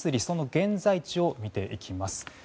その現在地を見ていきます。